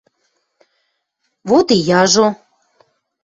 — Вот и яжо!